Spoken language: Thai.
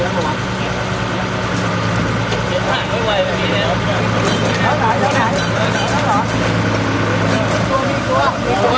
หละไว้นี่นะถึงแผ่นหน้าฟันหน้ายนได้นะ